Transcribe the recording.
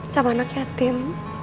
sama anak yatim